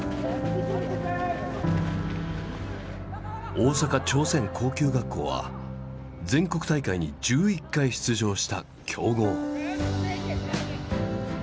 大阪朝鮮高級学校は全国大会に１１回出場した強豪。